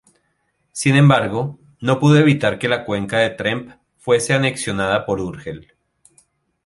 Sin embargo, no pudo evitar que la Cuenca de Tremp fuese anexionada por Urgel.